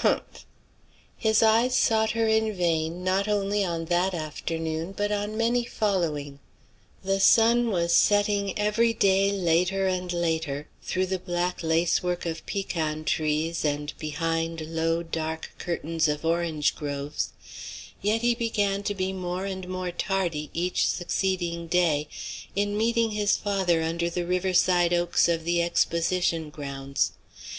Humph! His eyes sought her in vain not only on that afternoon, but on many following. The sun was setting every day later and later through the black lace work of pecan trees and behind low dark curtains of orange groves, yet he began to be more and more tardy each succeeding day in meeting his father under the riverside oaks of the Exposition grounds.